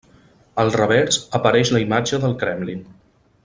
Al revers apareix la imatge del Kremlin.